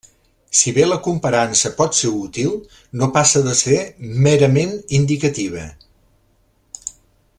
Si bé la comparança pot ser útil, no passa de ser merament indicativa.